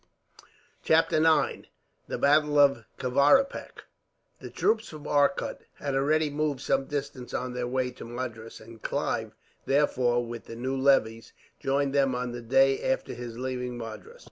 Chapter 9: The Battle Of Kavaripak. The troops from Arcot had already moved some distance on their way to Madras, and Clive, therefore, with the new levies, joined them on the day after his leaving Madras.